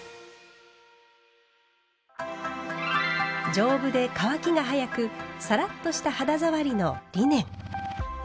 丈夫で乾きが早くサラッとした肌触りのリネン。